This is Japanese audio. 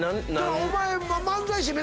お前。